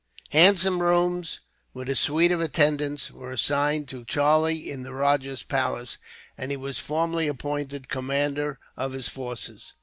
Handsome rooms, with a suite of attendants, were assigned to Charlie in the rajah's palace; and he was formally appointed commander of his forces.